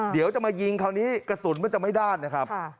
เดี๋ยวจะมายิงคราวนี้กระสุนมันจะไม่ด้านนะครับ